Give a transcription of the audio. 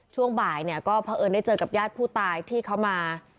ช่วงบ่ายเพราะเอิ้นได้เจอกับย่าผู้ตายที่เขามา